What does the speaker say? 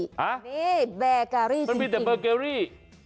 หามันมีแต่เบอร์เกรรี่นี่แบร์การี่จริง